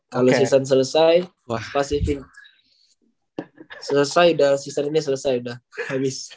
kalau season selesai pasti selesai udah season ini selesai udah habis